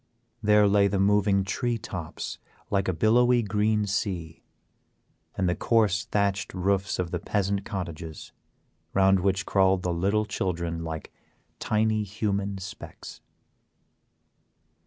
There lay the moving tree tops like a billowy green sea, and the coarse thatched roofs of the peasant cottages, round which crawled the little children like tiny human specks.